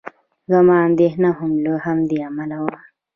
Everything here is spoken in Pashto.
زما اندېښنه هم له همدې امله وه.